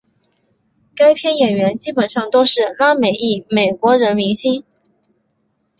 该片演员基本上都是拉美裔美国人明星。